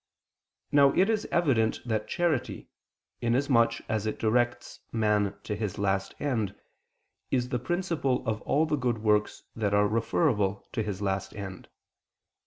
Now it is evident that charity, inasmuch as it directs man to his last end, is the principle of all the good works that are referable to his last end.